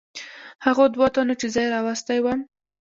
هغو دوو تنو چې زه یې راوستی ووم.